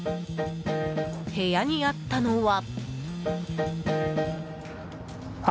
部屋にあったのは。